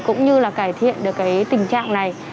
cũng như là cải thiện được tình trạng này